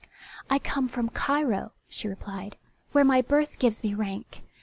"I come from Cairo," she replied, "where my birth gives me rank.